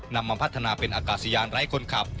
นำมาพัฒนาเป็นอากาศยานไร้คนขับ